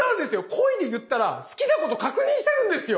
恋で言ったら好きなこと確認してるんですよ。